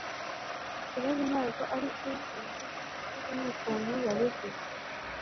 Ikibazo ntabwo aricyo yavuze ahubwo nukuntu yabivuze